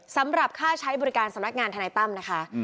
สำหรับค่าใช้บริการสำนักงานทนายตั้มนะคะ